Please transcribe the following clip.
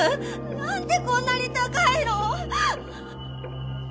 何でこんなに高いの！？